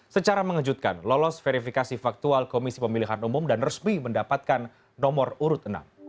secara mengejutkan lolos verifikasi faktual komisi pemilihan umum dan resmi mendapatkan nomor urut enam